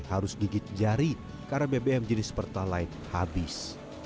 harus gigit jari karena bbm jenis pertalite habis